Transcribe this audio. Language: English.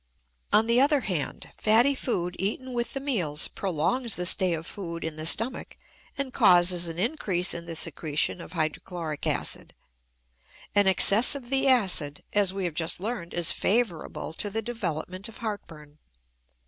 On the other hand, fatty food eaten with the meals prolongs the stay of food in the stomach and causes an increase in the secretion of hydrochloric acid. An excess of the acid, as we have just learned, is favorable to the development of heartburn.